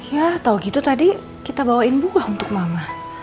ya tau gitu tadi kita bawain buah untuk mama